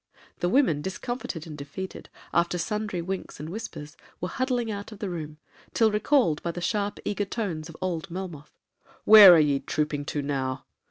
The women, discomfited and defeated, after sundry winks and whispers, were huddling out of the room, till recalled by the sharp eager tones of old Melmoth.—'Where are ye trooping to now?